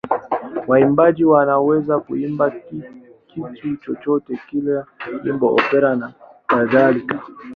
Waimbaji wanaweza kuimba kitu chochote kile: nyimbo, opera nakadhalika.